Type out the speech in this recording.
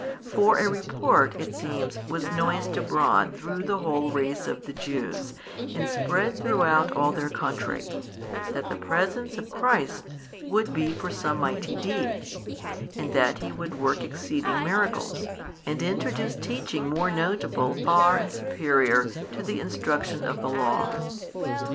For a report (it seems) was noised abroad throughout the whole race of the Jews and spread throughout all their country, that the Presence of Christ would be for some mighty deeds, and that He would work exceeding miracles, and introduce teaching more notable far and superior to the |533 instruction of the Law.